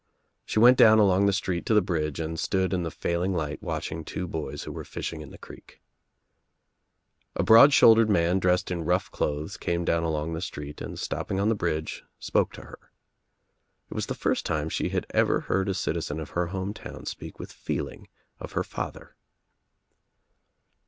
She went down along the street to the bridge and stood in the failing light watching two boys who were fishing in the creek. A broad shouldered man dressed in rough clothes came down along the street and stopping on the bridge spoke to her. It was the first time she had ever heard a citizen of her home town speak, with feeling of her father.